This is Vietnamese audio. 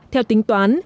theo tính toán